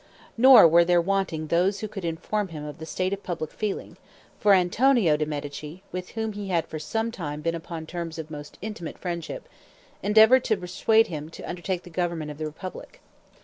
Nor were there wanting those who could inform him of the state of public feeling; for Antonio de' Medici with whom he had for some time been upon terms of most intimate friendship, endeavored to persuade him to undertake the government of the republic.